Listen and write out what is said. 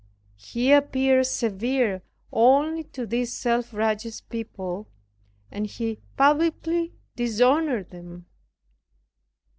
He appears severe only to these self righteous people, and He publicly dishonored them.